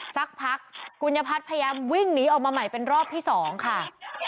สักพักกุญญพัฒน์พยายามวิ่งหนีออกมาใหม่เป็นรอบที่๒ค่ะ